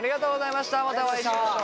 またお会いしましょう。